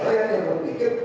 saya hanya memikir